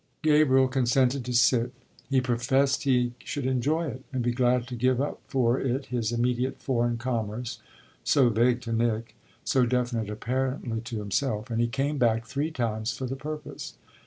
Gabriel consented to sit; he professed he should enjoy it and be glad to give up for it his immediate foreign commerce, so vague to Nick, so definite apparently to himself; and he came back three times for the purpose.